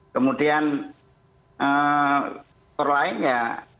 kemudian faktor lain ya